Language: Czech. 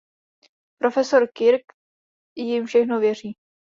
Profesor Kirk jim všechno věří.